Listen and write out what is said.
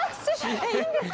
えっいいんですか？